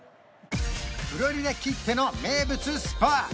フロリダきっての名物スポット